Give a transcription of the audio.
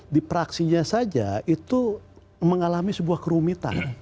di praksinya saja itu mengalami sebuah kerumitan